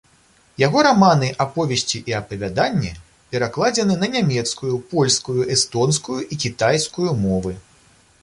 Яго раманы, аповесці і апавяданні перакладзены на нямецкую, польскую, эстонскую і кітайскую мовы.